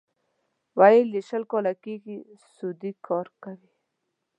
ویل یې شل کاله کېږي سعودي کار کوي.